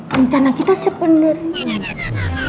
rencana kita sebenarnya